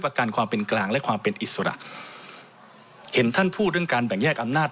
ประกันความเป็นกลางและความเป็นอิสระเห็นท่านพูดเรื่องการแบ่งแยกอำนาจ